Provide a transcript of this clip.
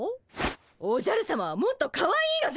おじゃるさまはもっとかわいいのじゃ！